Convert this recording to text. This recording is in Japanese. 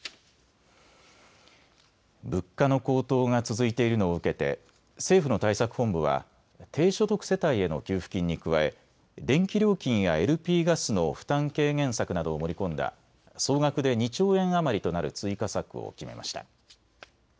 物価の高騰が続いているのを受けて政府の対策本部は低所得世帯への給付金に加え電気料金やＬＰガスの負担軽減策などを盛り込んだ総額で２兆円余りとなる追加策を決めました。